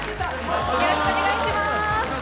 よろしくお願いします。